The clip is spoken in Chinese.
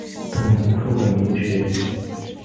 同年赴美留学。